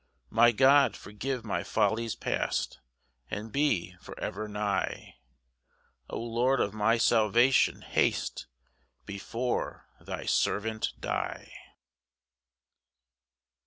10 My God, forgive my follies past, And be for ever nigh; O Lord of my salvation, haste, Before thy servant die.